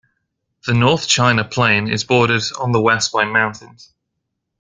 The North China Plain is bordered on the west by mountains.